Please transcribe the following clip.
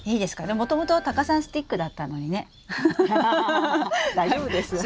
でももともとはタカさんスティックだったのにね。大丈夫ですよ。